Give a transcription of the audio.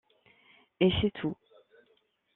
Et c'est tout.